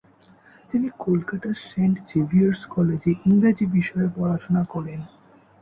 তিনি কলকাতার saint Xavier's কলেজে ইংরেজি বিষয়ে পড়াশোনা করেন।